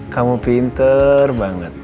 kamu pinter banget